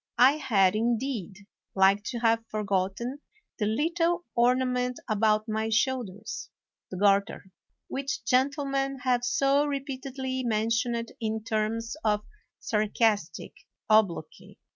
I had, indeed, like to have forgotten the little ornament about my shoulders [the garter], which gentle men have so repeatedly mentioned in terms of sarcastic obloquy.